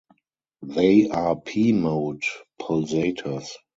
They are p-mode pulsators.